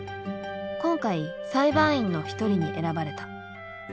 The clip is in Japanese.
今回裁判員の一人に選ばれた。